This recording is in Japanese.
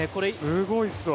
すごいですわ。